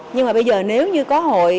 nhưng mà bây giờ nếu như có hội